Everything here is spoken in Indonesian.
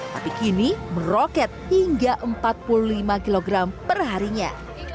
tapi kini meroket hingga empat puluh lima kilogram per harinya